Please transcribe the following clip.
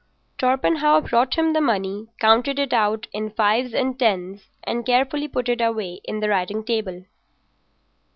Torpenhow brought him the money, counted it out in fives and tens, and carefully put it away in the writing table.